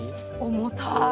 重たい。